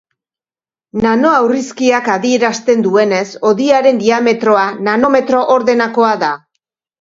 Nano aurrizkiak adierazten duenez, hodiaren diametroa nanometro ordenakoa da.